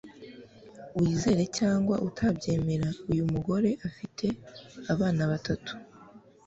Wizere cyangwa utabyemera uyu mugore afite abana batatu